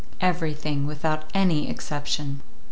"Everything, without any exception."